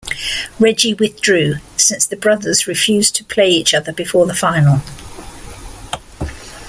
Reggie withdrew, since the brothers refused to play each other before the final.